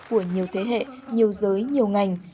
của nhiều thế hệ nhiều giới nhiều ngành